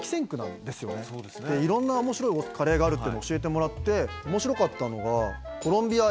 いろんな面白いカレーがあるっていうのを教えてもらって面白かったのが。